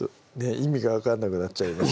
意味が分かんなくなっちゃいます